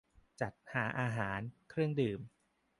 -จัดหาอาหาร-เครื่องดื่ม